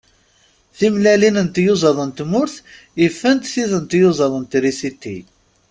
Timellalin n tyuẓaḍ n tmurt ifent tid n tyuẓaḍ n trisiti.